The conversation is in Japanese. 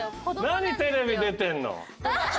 何テレビ出てるの。